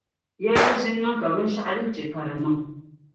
Yɛnli ʒi n-niŋ ka bɛn' shɛɣu din che ka di niŋ.